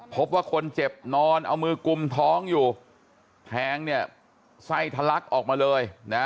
พบว่าคนเจ็บนอนเอามือกุมท้องอยู่แทงเนี่ยไส้ทะลักออกมาเลยนะ